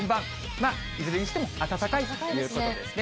まあ、いずれにしても、暖かいということですね。